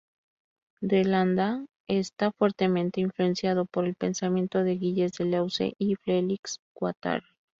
De Landa está fuertemente influenciado por el pensamiento de Gilles Deleuze y Felix Guattari.